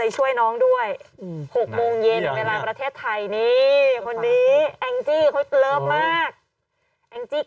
แอ้งจี้กรี๊ดอยู่นี่